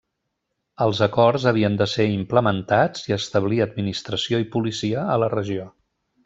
Els acords havien de ser implementats i establir administració i policia a la regió.